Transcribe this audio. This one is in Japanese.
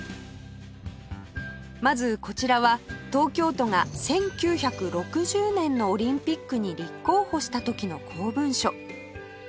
まずこちらは東京都が１９６０年のオリンピックに立候補した時の公文書